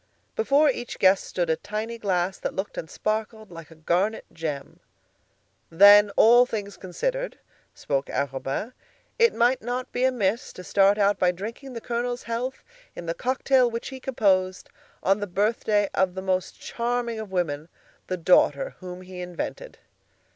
Before each guest stood a tiny glass that looked and sparkled like a garnet gem. "Then, all things considered," spoke Arobin, "it might not be amiss to start out by drinking the Colonel's health in the cocktail which he composed, on the birthday of the most charming of women—the daughter whom he invented."